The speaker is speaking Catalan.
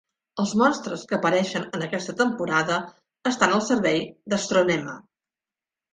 Els monstres que apareixen en aquesta temporada estan al servei d'Astronema.